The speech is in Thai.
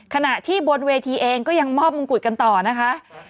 ขณะที่บนเวทีเองก็ยังมอบมงกุฎกันต่อนะคะ